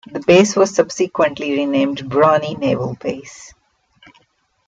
The base was subsequently renamed Brani Naval Base.